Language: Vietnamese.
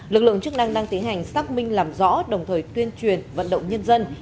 lực lượng chức năng đang tiến hành xác minh làm rõ đồng thời tuyên truyền vận động nhân dân